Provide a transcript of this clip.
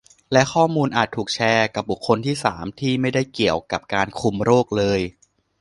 และข้อมูลอาจถูกแชร์กับบุคคลที่สามที่ไม่ได้เกี่ยวกับการคุมโรคเลย